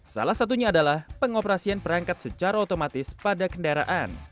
salah satunya adalah pengoperasian perangkat secara otomatis pada kendaraan